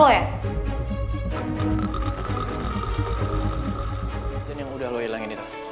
ya mas imran dah bilang